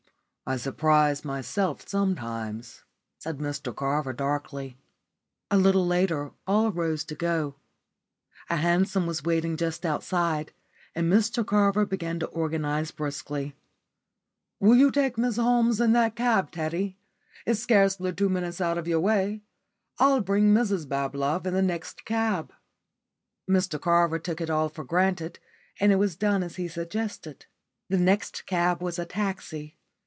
"I surprise myself sometimes," said Mr Carver, darkly. A little later all rose to go. A hansom was waiting just outside, and Mr Carver began to organise briskly. "Will you take Miss Holmes in that cab, Teddy? It's scarcely two minutes out of your way. I'll bring Mrs Bablove in the next cab." Mr Carver took it all for granted, and it was done as he suggested. The next cab was a taxi.